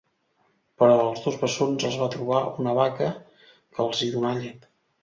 Però als dos bessons els va trobar una vaca que els hi donà llet.